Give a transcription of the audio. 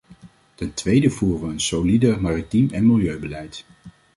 Ten tweede voeren we een solide maritiem en milieubeleid.